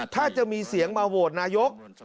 ถ้าจะมีเสียงมาโหวตนายก